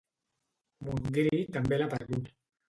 Montgrí també l'ha perdut